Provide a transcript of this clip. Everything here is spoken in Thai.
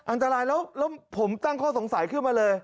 อันตรายแล้วผมตั้งข้อสงสัยขึ้นมาเลย